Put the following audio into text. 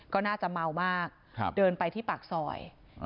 ก็น่าจะเมามากเดินไปที่ปากซอย